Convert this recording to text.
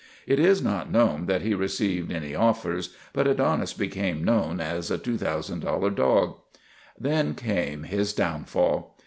It is not known that he received any offers, but Adonis became known as a $2,000 dog. Then came his downfall.